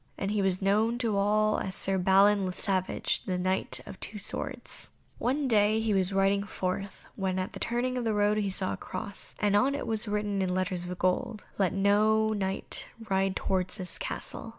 And he was known to all as Sir Balin le Savage, the Knight of the two swords. One day he was riding forth when at the turning of a road he saw a cross, and on it was written in letters of gold, "Let no Knight ride towards this castle."